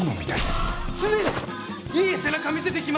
常にいい背中見せていきますんで！